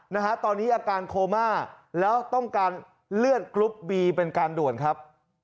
นะฮะตอนนี้อาการโคม่าแล้วต้องการเลือดกรุ๊ปบีเป็นการด่วนครับ